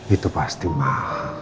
itu pasti mak